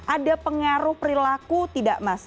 ada pengaruh perilaku tidak mas